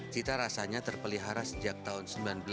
cita rasanya terpelihara sejak tahun seribu sembilan ratus delapan puluh